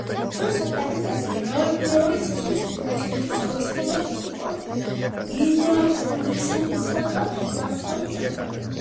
ჩვენს პლანეტაზე მრავალფეროვანი სიცოცხლის გაჩენისთვის აუცილებელი იყო მინარევებისგან თავისუფალი ჟანგბადი.